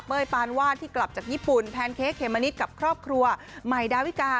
ปานวาดที่กลับจากญี่ปุ่นแพนเค้กเมมะนิดกับครอบครัวใหม่ดาวิกา